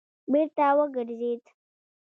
بېرته وګرځېد.